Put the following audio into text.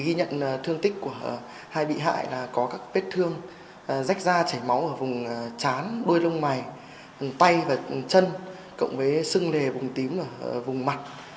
ghi nhận thương tích của hai bị hại là có các vết thương rách da chảy máu ở vùng chán đôi lông mày tay và chân cộng với sưng lề vùng tím ở vùng mặt